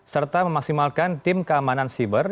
serta memaksimalkan tim keamanan siber